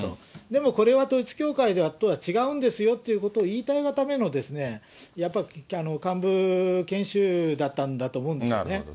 でもこれは統一教会とは違うんですよということを言いたいがためのですね、やっぱり幹部研修だったんだと思うんですよね。